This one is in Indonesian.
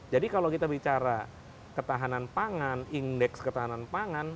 jadi kalau kita bicara ketahanan pangan indeks ketahanan pangan